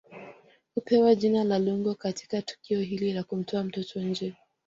Hupewa jina la Lungo Katika tukio hili la kumtoa mtoto nje